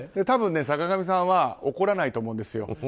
多分、坂上さんは怒らないと思うんですよ。